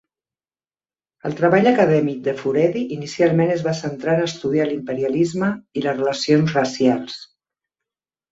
El treball acadèmic de Furedi inicialment es va centrar en estudiar l'imperialisme i les relacions racials.